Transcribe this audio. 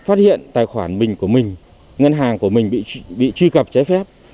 phát hiện tài khoản mình của mình ngân hàng của mình bị truy cập trái phép